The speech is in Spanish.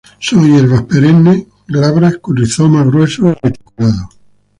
Son hierbas perennes, glabras, con rizoma grueso y reticulado.